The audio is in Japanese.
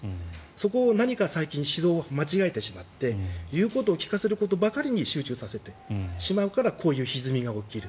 そこを何か最近指導を間違えてしまって言うことを聞かせることばかりに集中させてしまうからこういうひずみが起きる。